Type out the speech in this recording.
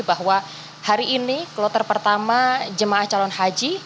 bahwa hari ini kloter pertama jemaah calon haji